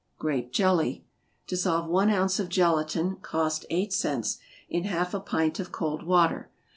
=Grape Jelly.= Dissolve one ounce of gelatine, (cost eight cents,) in half a pint of cold water.